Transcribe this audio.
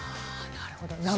なるほど。